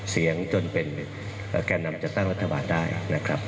เสียงจนเป็นแก่นำจัดตั้งรัฐบาลได้นะครับ